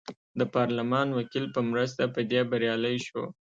د پارلمان وکیل په مرسته په دې بریالی شو.